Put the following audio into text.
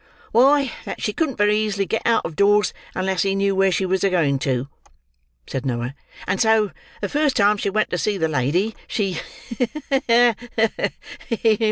"Why, that she couldn't very easily get out of doors unless he knew where she was going to," said Noah; "and so the first time she went to see the lady, she—ha! ha! ha!